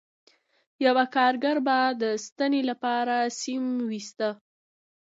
یوه کارګر به د ستنې لپاره سیم ویسته